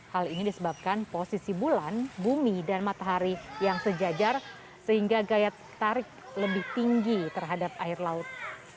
hal ini disebabkan posisi bulan bumi dan matahari yang sejajar sehingga gaya tarik lebih tinggi terhadap air laut